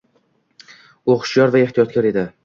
U hushyor va ehtiyotkor edi.